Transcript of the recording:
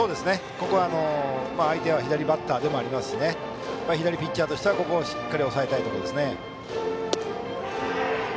ここは、相手は左バッターでもありますし左ピッチャーとしてはここをしっかり抑えたいですね。